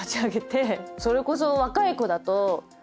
それこそ若い子だと。